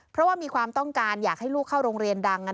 เพราะว่ามีความต้องการอยากให้ลูกเข้าโรงเรียนดัง